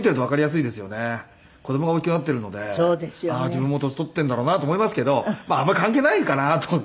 自分も年取ってんだろうなと思いますけどあんまり関係ないかなと思って。